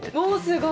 すごい。